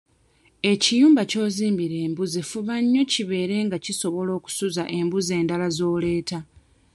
Ekiyumba ky'ozimbira embuzi fuba nnyo kibeere nga kisobola okusuza embuzi endala z'oleeta.